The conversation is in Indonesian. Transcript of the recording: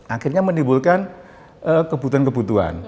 akhirnya menimbulkan kebutuhan kebutuhan